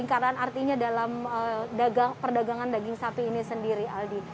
karena artinya dalam perdagangan daging sapi ini sendiri aldi